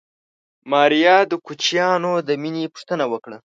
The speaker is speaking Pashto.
ماريا د کوچيانو د مېنې پوښتنه وکړه.